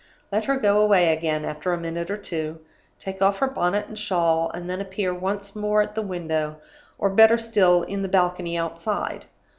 Let her go away again after a minute or two, take off her bonnet and shawl, and then appear once more at the window, or, better still, in the balcony outside.